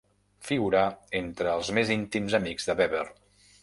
Figurà entre els més íntims amics de Weber.